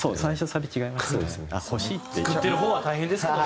作ってる方は大変ですけどね。